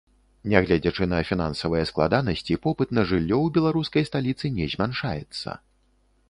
Нягледзячы на фінансавыя складанасці, попыт на жыллё ў беларускай сталіцы не змяншаецца.